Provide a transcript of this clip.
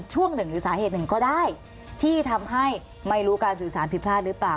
ช่วงหนึ่งหรือสาเหตุหนึ่งก็ได้ที่ทำให้ไม่รู้การสื่อสารผิดพลาดหรือเปล่า